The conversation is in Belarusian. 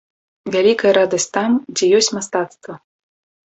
Вялікая радасць там, дзе ёсць мастацтва.